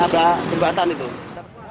nabrak jembatan itu